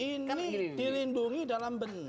ini dilindungi dalam bentuk